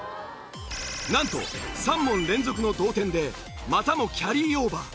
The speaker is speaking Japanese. なんと３問連続の同点でまたもキャリーオーバー！